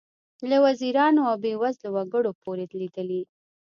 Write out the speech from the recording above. له وزیرانو او بې وزلو وګړو پورې لیدلي.